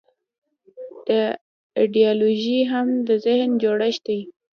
دا ایدیالوژي هم د ذهن جوړښت دی.